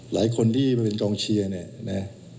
หลายคนที่มาเป็นกองเชียร์เนี่ยนะ